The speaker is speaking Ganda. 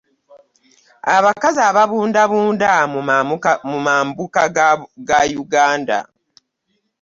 Abakazi ababundabunda mu mambuka ga Uganda.